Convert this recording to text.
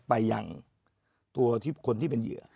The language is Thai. ไปอย่างตัวคนที่เป็นเหยื่อ